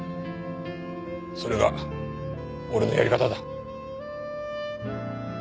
それが俺のやり方だ。